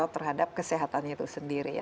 terima kasih banyak prof wiku